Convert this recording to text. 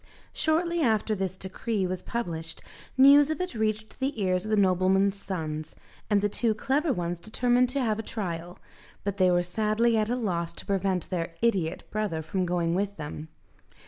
Shortly after this decree was published, news of it reached the ears of the nobleman's sons, and the two clever ones determined to have a trial, but they were sadly at a loss to prevent their idiot brother from going with them.